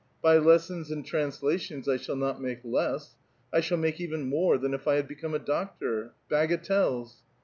By lessons and transla tions I shall not make less ; I shall make even more than if I had become a doctor ; bagatelles